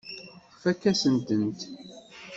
Tfakk-asen-tent.